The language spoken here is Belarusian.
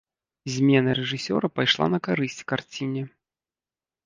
Змена рэжысёра пайшла на карысць карціне.